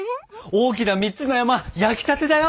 大きな３つの山焼きたてだよ！